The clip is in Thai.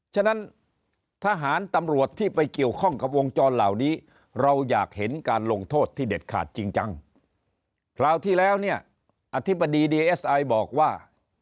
ฉะนั้นทหารตำรวจที่ไปเกี่ยวข้องกับวงจรเหล่านี้เราอยากเห็นการลงโทษที่เด็ดขาดจริงจังคราวที่แล้วเนี่ยอธิบดีดีเอสไอบอกว่า